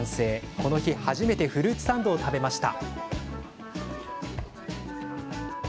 この日、初めてフルーツサンドを食べました。